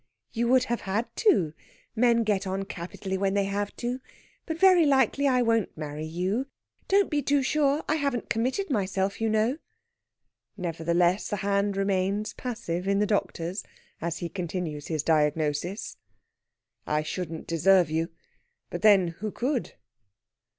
"You would have had to. Men get on capitally when they have to. But very likely I won't marry you. Don't be too sure! I haven't committed myself, you know." Nevertheless, the hand remains passive in the doctor's, as he continues his diagnosis: "I shouldn't deserve you. But, then, who could?"